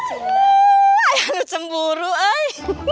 ayolah cemburu ay